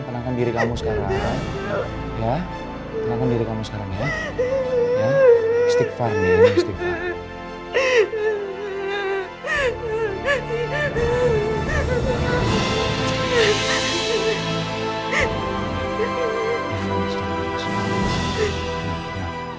tenangkan diri kamu sekarang ya tenangkan diri kamu sekarang ya istighfar ya istighfar